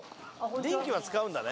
電気は使うんだね。